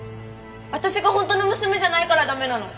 私が本当の娘じゃないから駄目なの？